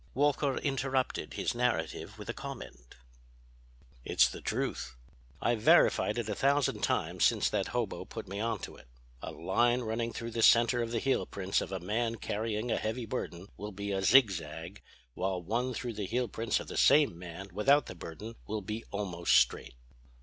Walker interrupted his narrative with a comment: "It's the truth. I've verified it a thousand times since that hobo put me onto it. A line running through the center of the heel prints of a man carrying a heavy burden will be a zigzag, while one through the heel prints of the same man without the burden will be almost straight.